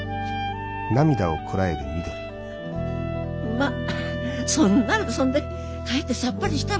まっそんならそんでかえってさっぱりしたわ。